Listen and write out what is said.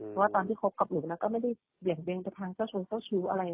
เพราะการที่คบกับหนูก็ไม่ได้ทางเจ้าชู้ใจเจ้าชู้อะไร